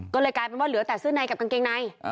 ก็เลยกลายเป็นว่าเหลือแต่เสื้อในกับกางเกงใน